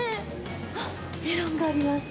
はっメロンがあります。